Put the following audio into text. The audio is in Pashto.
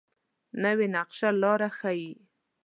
نوې نقشه لاره ښيي